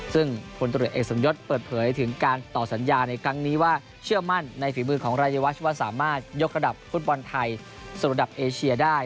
ซึ่งผลตรวจเอกสมยศเปิดเผยถึงการต่อสัญญาในครั้งนี้ว่าเชื่อมั่นในฝีมือของรายวัชว่าสามารถยกระดับฟุตบอลไทยสู่ระดับเอเชียได้